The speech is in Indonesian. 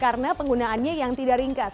karena penggunaannya yang tidak ringkas